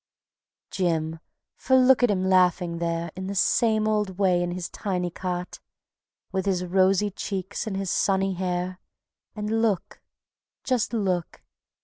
Jim! For look at him laughing there In the same old way in his tiny cot, With his rosy cheeks and his sunny hair, And look, just look